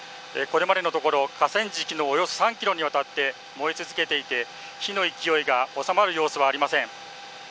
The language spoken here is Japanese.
これまでのところ河川敷のおよそ３ｋｍにわたって燃え続けていて、火の勢いが収まる様子はありません。